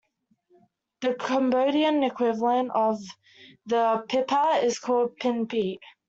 The Cambodian equivalent of the "piphat" is called "pinpeat".